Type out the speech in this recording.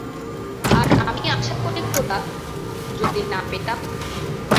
আর আমি আশা করি খোদা, যদি না পেতাম।